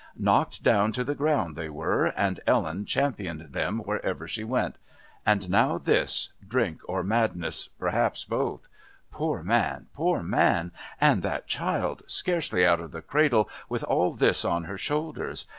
Knocked down to the ground they were, and Ellen championed them wherever she went. And now this! Drink or madness perhaps both! Poor man! Poor man! And that child, scarcely out of the cradle, with all this on her shoulders!